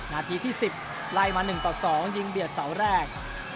นาทีที่สิบไล่มาหนึ่งต่อสองยิงเบียดเสาร์แรก